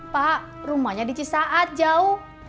pak rumahnya di cisaat jauh